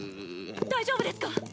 大丈夫ですか！？